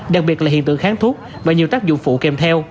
đặc biệt là hiện tượng kháng thuốc và nhiều tác dụng phụ kèm theo